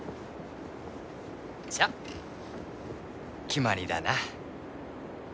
じゃあ決まりだな。